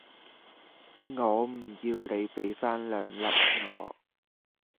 我唔要你比番兩粒我